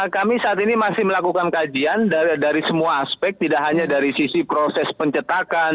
kami saat ini masih melakukan kajian dari semua aspek tidak hanya dari sisi proses pencetakan